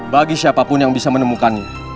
bagi siapapun yang bisa menemukannya